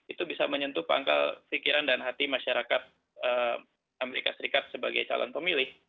itu bisa menyentuh pangkal pikiran dan hati masyarakat amerika serikat sebagai calon pemilih